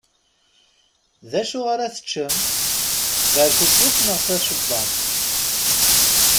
D acu ar ad teččem? Berkukes neɣ tacewwaḍṭ?